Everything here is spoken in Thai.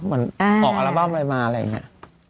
เหมือนออกอัลบั้มอะไรมาอะไรอย่างนี้